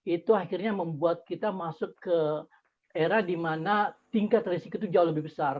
itu akhirnya membuat kita masuk ke era di mana tingkat resiko itu jauh lebih besar